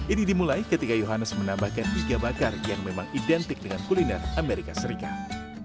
ini dimulai ketika yohanes menambahkan iga bakar yang memang identik dengan kuliner amerika serikat